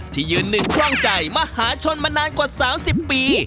ที่ยืนหนึ่งคล่องใจมหาชนมานานกว่า๓๐ปี